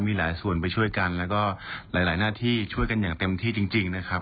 มีหลายส่วนไปช่วยกันแล้วก็หลายหน้าที่ช่วยกันอย่างเต็มที่จริงนะครับ